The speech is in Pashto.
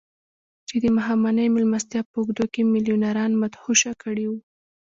چې د ماښامنۍ مېلمستیا په اوږدو کې يې ميليونران مدهوشه کړي وو.